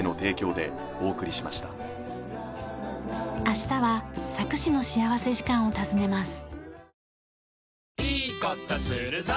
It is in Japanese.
明日は佐久市の幸福時間を訪ねます。